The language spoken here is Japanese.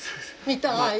見たい！